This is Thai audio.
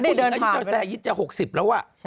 พี่ทายิวเสวยิดจะหกสิบแล้ว